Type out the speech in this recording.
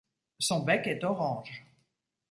Son bec est orange.